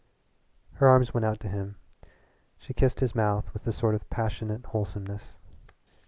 Her arms went out to him. She kissed his mouth with a sort of passionate wholesomeness.